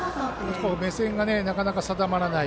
目線が、なかなか定まらない。